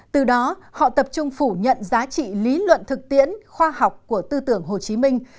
từ đó họ tập trung phủ nhận giá trị lý luận thực tiễn khoa học của tư tưởng hồ chí minh